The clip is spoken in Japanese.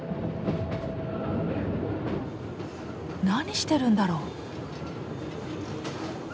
何してるんだろう？